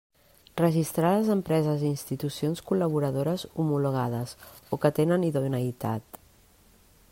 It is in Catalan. Registrar les empreses i institucions col·laboradores homologades o que tenen idoneïtat.